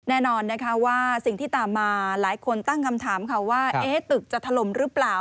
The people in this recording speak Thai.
แน่นอนนะคะว่าสิ่งที่ตามมาหลายคนตั้งคำถามค่ะว่าตึกจะถล่มหรือเปล่า